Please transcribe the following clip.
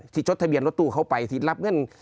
จดทะเบียนรถตู้เข้าไปที่รับเงิน